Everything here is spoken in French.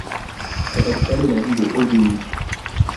Sa capitale est la ville de Holguín.